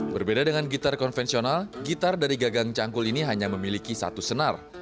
berbeda dengan gitar konvensional gitar dari gagang cangkul ini hanya memiliki satu senar